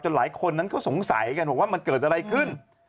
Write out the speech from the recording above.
หลายคนนั้นก็สงสัยกันบอกว่ามันเกิดอะไรขึ้น